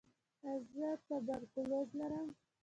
ایا زه تبرکلوز لرم؟